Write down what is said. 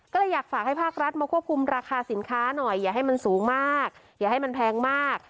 ก็เลยอยากฝากให้ภาครัฐมาควบคุมราคาสินค้าหน่อยอย่าให้มันสูงมากอย่าให้มันแพงมาก